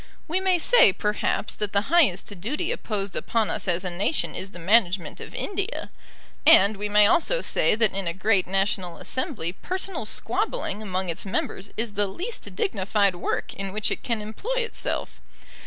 We may say, perhaps, that the highest duty imposed upon us as a nation is the management of India; and we may also say that in a great national assembly personal squabbling among its members is the least dignified work in which it can employ itself.